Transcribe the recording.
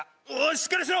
しっかりしろ！